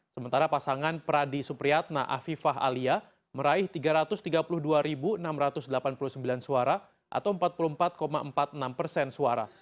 sementara pasangan pradi supriyatna afifah alia meraih tiga ratus tiga puluh dua enam ratus delapan puluh sembilan suara atau empat puluh empat empat puluh enam persen suara